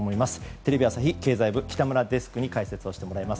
テレビ朝日経済部、北村デスクに解説していただきます。